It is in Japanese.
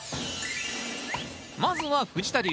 まずは藤田流。